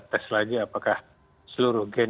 tes lagi apakah seluruh gen